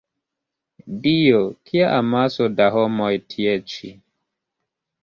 Dio! Kia amaso da homoj tie ĉi!